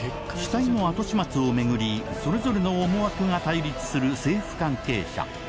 死体のあとしまつを巡りそれぞれの思惑が対立する政府関係者